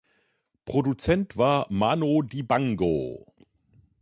Produzent war Manu Dibango.